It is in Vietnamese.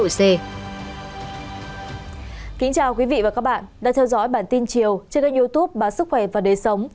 xin chào quý vị và các bạn đã theo dõi bản tin chiều trên kênh youtube bản sức khỏe và đời sống